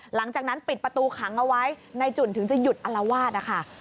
หลังจากนั้นปิดประตูขังเอาไว้นายจุ่นถึงจะหยุดอลวาดนะคะ